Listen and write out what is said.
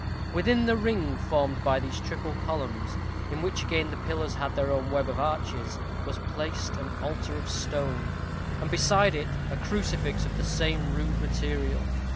Within the ring formed by these triple columns, in which again the pillars had their own web of arches, was placed an altar of stone, and beside it a crucifix of the same rude material.